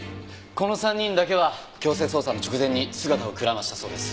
この３人だけは強制捜査の直前に姿をくらましたそうです。